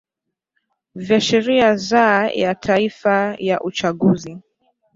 vya sheria za ya taifa ya uchaguzi